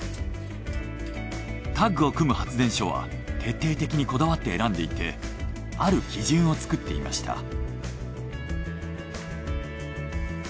タッグを組む発電所は徹底的にこだわって選んでいてある基準を作っていました。